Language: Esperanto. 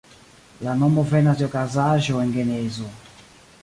La nomo venas de okazaĵo en Genezo.